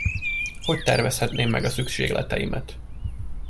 Hogy tervezhetném meg a szükségleteimet?